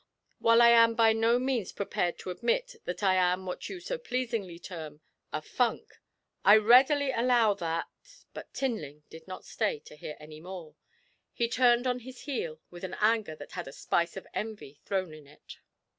While I am by no means prepared to admit that I am what you so pleasingly term "a funk," I readily allow that ' But Tinling did not stay to hear any more; he turned on his heel with an anger that had a spice of envy in it.